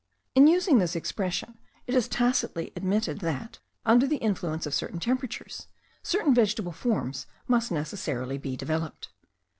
In using this expression, it is tacitly admitted, that under the influence of certain temperatures, certain vegetable forms must necessarily be developed.